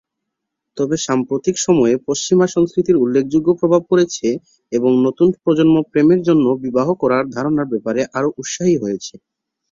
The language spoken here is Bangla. তবে সাম্প্রতিক সময়ে পশ্চিমা সংস্কৃতির উল্লেখযোগ্য প্রভাব পড়েছে এবং নতুন প্রজন্ম প্রেমের জন্য বিবাহ করার ধারণার ব্যাপারে আরও উৎসাহী হয়েছে।